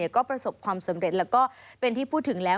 ก็ประสบความสำเร็จแล้วก็เป็นที่พูดถึงแล้ว